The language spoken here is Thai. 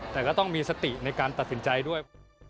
แต่ก็ต้องมีสติในการตัดสินใจด้วย